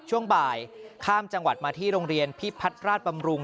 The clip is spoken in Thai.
ช่วงบ่ายข้ามจังหวัดมาที่โรงเรียนพิพัฒน์ราชบำรุง